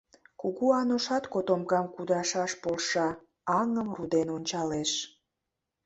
Кугу Анушат котомкам кудашаш полша, аҥым руден ончалеш.